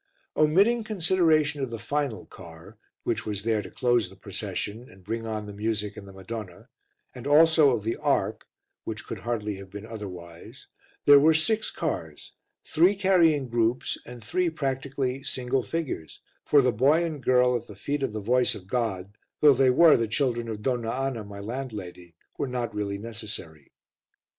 Omitting consideration of the final car, which was there to close the procession and bring on the music and the Madonna, and also of the Ark, which could hardly have been otherwise, there were six cars, three carrying groups and three practically single figures, for the boy and girl at the feet of The Voice of God, though they were the children of Donna Anna, my landlady, were not really necessary.